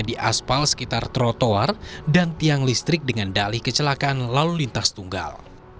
di aspal sekitar trotoar dan tiang listrik dengan dali kecelakaan lalu lintas tunggal